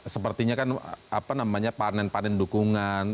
sepertinya kan apa namanya panen panen dukungan